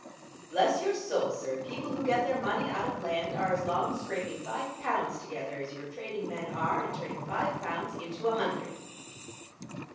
Bless your soul, sir! people who get their money out of land are as long scraping five pounds together as your trading men are in turning five pounds into a hundred."